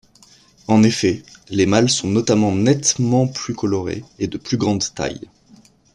En effet, les mâles sont notamment nettement plus colorés et de plus grande taille.